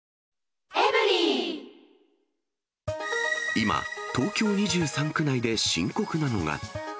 今、東京２３区内で深刻なのが。